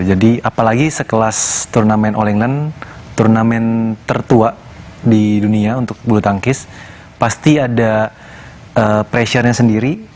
jadi apalagi sekelas turnamen all england turnamen tertua di dunia untuk bulu tangkis pasti ada pressure nya sendiri